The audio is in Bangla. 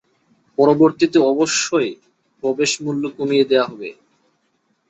পরবর্তীতে অবশ্য প্রবেশ মূল্য কমিয়ে দেয়া হবে।